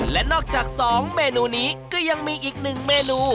และนอกจาก๒เมนูนี้ก็ยังมีอีกหนึ่งเมนู